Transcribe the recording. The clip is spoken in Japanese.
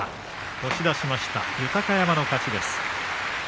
押し出しました豊山の勝ちです。